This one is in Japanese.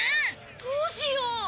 どうしよう！？